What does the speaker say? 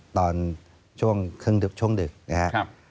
ตอนช่วงถึงครึ่งดึกนะครับ